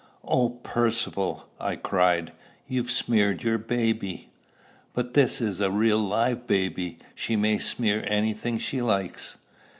"O Percivale!" I cried, "you've smeared your baby!" "But this is a real live baby; she may smear any thing she likes."